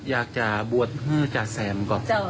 อยากจะบวชภือจาแซมก็